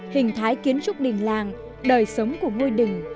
hình thái kiến trúc đình làng đời sống của ngôi đình